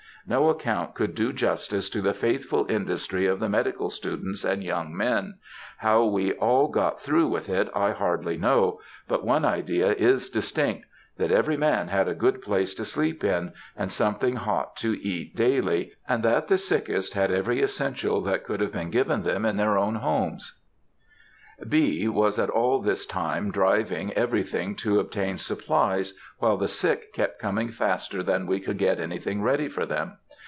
No account could do justice to the faithful industry of the medical students and young men: how we all got through with it, I hardly know; but one idea is distinct,—that every man had a good place to sleep in, and something hot to eat daily, and that the sickest had every essential that could have been given them in their own homes.... B. was all this time driving everything to obtain supplies, while the sick kept coming faster than we could get anything ready for them.